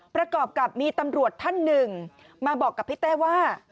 ประกอบกับมีตำรวจท่านหนึ่งมาบอกกับพี่เต้ว่า